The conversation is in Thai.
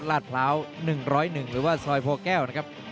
ลาดพร้าว๑๐๑หรือว่าซอยโพแก้วนะครับ